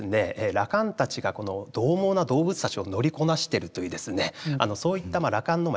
羅漢たちがこのどう猛な動物たちを乗りこなしてるというそういった羅漢の神通力